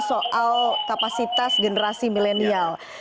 soal kapasitas generasi milenial